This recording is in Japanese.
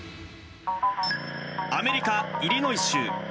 アメリカ・イリノイ州。